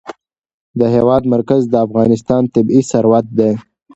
د هېواد مرکز د افغانستان طبعي ثروت دی.